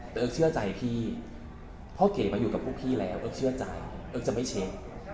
เอิ๊กเชื่อใจพี่เพราะเก๋มาอยู่กับพวกพี่แล้วเอิ๊กเชื่อใจเอิ๊กจะไม่เช็ค